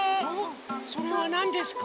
それはなんですか？